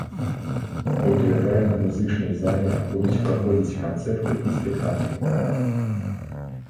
У тэатральна-музычнай зале будуць праходзіць канцэрты і спектаклі.